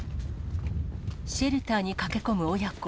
シェルターに駆け込む親子。